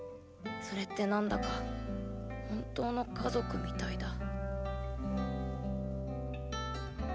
それって何だか本当の家族みたいだ。